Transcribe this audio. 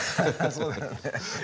そうだよね。